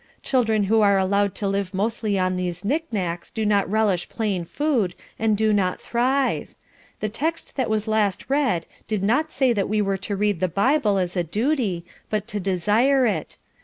Children who are allowed to live mostly on these knicknacks do not relish plain food, and do not thrive. The text that was last read did not say that we were to read the Bible as a duty, but to desire it.